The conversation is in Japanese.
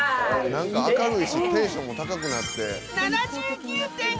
なんか明るいしテンションも高くなって。